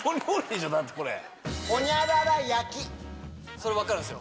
それ分かるんすよ。